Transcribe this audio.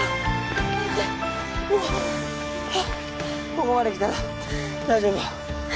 ここまで来たら大丈夫だろ。